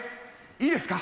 いいですか。